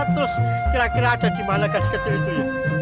nah terus kira kira ada di mana gasget itu ya